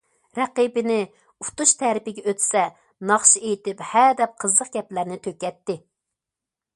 رەقىبىنى ئۇتۇش تەرىپىگە ئۆتسە ناخشا ئېيتىپ ھە دەپ قىزىق گەپلەرنى تۆكەتتى.